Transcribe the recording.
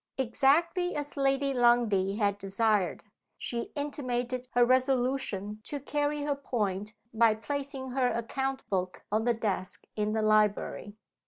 Exactly as Lady Lundie had desired, she intimated her resolution to carry her point by placing her account book on the desk in the library.